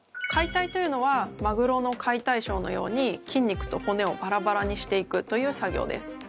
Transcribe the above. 解体というのはマグロの解体ショーのように筋肉と骨をバラバラにしていくという作業です。